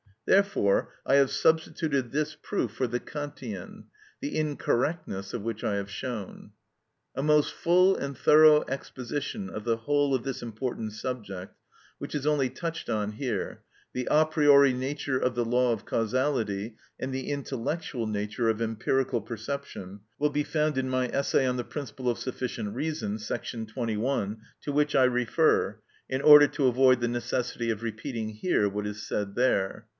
Therefore I have substituted this proof for the Kantian, the incorrectness of which I have shown. A most full and thorough exposition of the whole of this important subject, which is only touched on here, the a priori nature of the law of causality and the intellectual nature of empirical perception, will be found in my essay on the principle of sufficient reason, § 21, to which I refer, in order to avoid the necessity of repeating here what is said there.